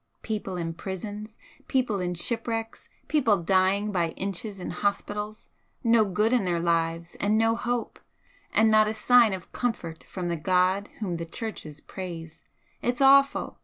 People in prisons, people in shipwrecks, people dying by inches in hospitals, no good in their lives and no hope and not a sign of comfort from the God whom the Churches praise! It's awful!